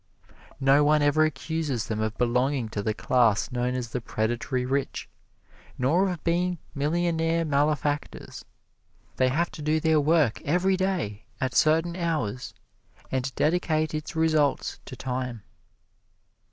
No one ever accuses them of belonging to the class known as the predatory rich, nor of being millionaire malefactors. They have to do their work every day at certain hours and dedicate its results to time.